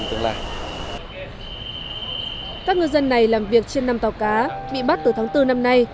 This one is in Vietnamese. các ngư dân này làm việc trên năm tàu cá bị bắt từ tháng bốn năm nay